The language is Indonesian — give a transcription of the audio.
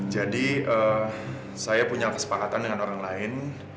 jadi saya punya kesepakatan dengan orang lain